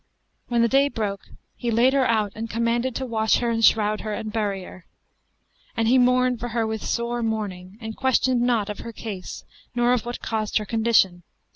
When the day broke, he laid her out and commanded to wash her and shroud her and bury her. And he mourned for her with sore mourning, and questioned not of her case nor of what caused her condition.